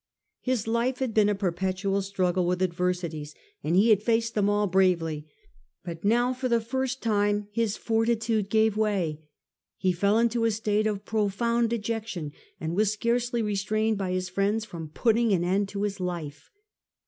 His life had been a perpetual struggle with adversities, and he had faced them all bravely, but now for the first time his fortitude gave way. He fell into a state of profound dejection, and was scarcely restrained by his friends from putting an end to his life.